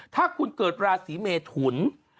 ถ้าคุณเกิดราศีเมทุน